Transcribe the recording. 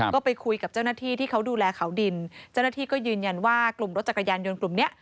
ก็ไปคุยกับเจ้าหน้าที่ที่เขาดูแลเขาดินเจ้าหน้าที่ก็ยืนยันว่ากลุ่มรถจักรยานยนต์กลุ่มเนี้ย